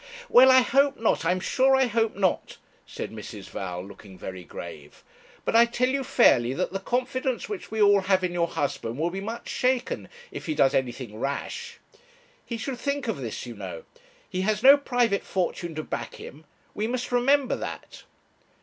'Well, I hope not, I am sure I hope not,' said Mrs. Val, looking very grave. 'But I tell you fairly that the confidence which we all have in your husband will be much shaken if he does anything rash. He should think of this, you know. He has no private fortune to back him; we must remember that.'